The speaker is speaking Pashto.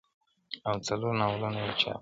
او څلور ناولونه یې چاپ کړل -